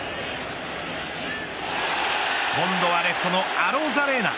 今度はレフトのアロザレーナ。